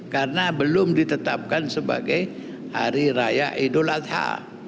karena belum ditetapkan sebagai hari raya idul adha